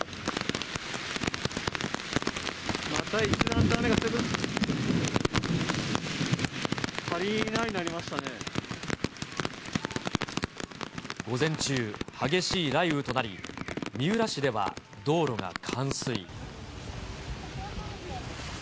また一段と雨が強く、雷、午前中、激しい雷雨となり、三浦市では道路が冠水。